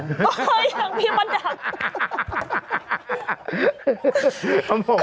เฮ่ยอย่างพี่มันอยาก